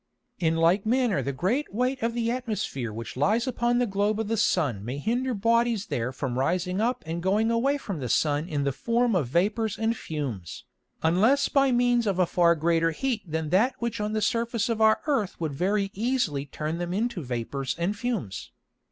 In like manner the great weight of the Atmosphere which lies upon the Globe of the Sun may hinder Bodies there from rising up and going away from the Sun in the form of Vapours and Fumes, unless by means of a far greater heat than that which on the Surface of our Earth would very easily turn them into Vapours and Fumes.